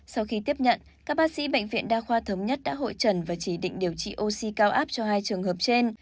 sau khi tiếp nhận các bác sĩ bệnh viện đa khoa thống nhất đã hội trần và chỉ định điều trị oxy cao áp cho hai trường hợp trên